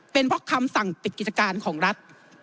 เป็นเพราะคำสั่งปิดกิจการของรัฐ